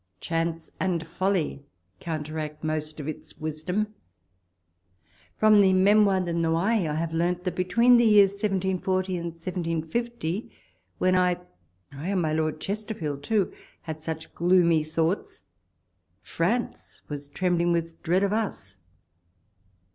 Chance and folly counteract most of its wisdom. From the " Memoires de Noailles " I have learnt, that, between the years 1740 and 1750, when I, — ay, and my Lord Chesterfield too, — had such gloomy thoughts, France was trembling with dread of us.